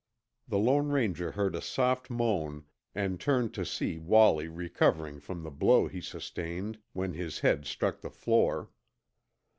The Lone Ranger heard a soft moan and turned to see Wallie recovering from the blow he sustained when his head struck the floor.